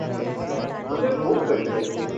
مجھے بھوک لگی ہے۔